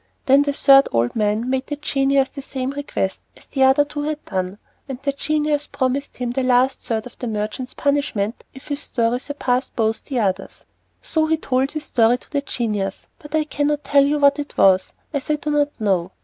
Then the third old man made the genius the same request as the other two had done, and the genius promised him the last third of the merchant's punishment if his story surpassed both the others. So he told his story to the genius, but I cannot tell you what it was, as I do not know.